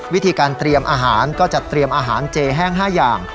วิธีการเตรียมอาหารก็จะเตรียมอาหารเจแห้ง๕อย่าง